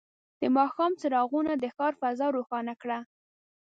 د ماښام څراغونه د ښار فضا روښانه کړه.